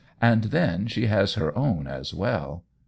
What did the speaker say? And then she has her own as well."